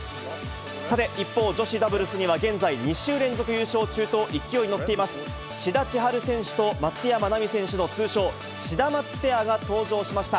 さて、一方、女子ダブルスには現在２週連続優勝中と勢いに乗っています、志田千陽選手と松山奈未選手の通称、シダマツペアが登場しました。